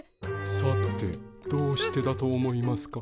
さてどうしてだと思いますか？